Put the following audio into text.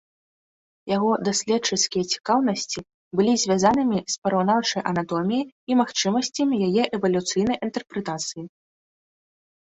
Яго даследчыцкія цікаўнасці былі звязанымі з параўнаўчай анатоміяй і магчымасцямі яе эвалюцыйнай інтэрпрэтацыі.